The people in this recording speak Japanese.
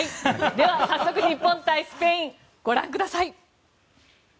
早速、日本対スペインご覧ください。